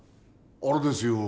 あれですよ。